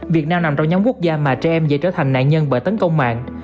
việt nam nằm trong nhóm quốc gia mà trẻ em dễ trở thành nạn nhân bởi tấn công mạng